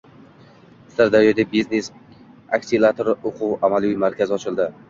Sirdaryoda «Biznes akselerator» o‘quv-amaliy markazi ochildi